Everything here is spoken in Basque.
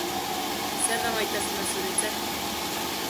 Zer da maitasuna zuretzat?